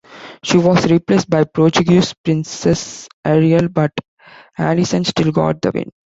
She was replaced by Portuguese Princess Ariel but Allison still got the win.